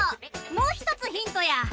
もうひとつヒントや。